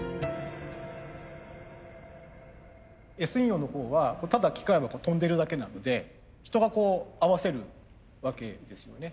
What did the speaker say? Ｓ陽のほうはただ機械が跳んでるだけなので人がこう合わせるわけですよね。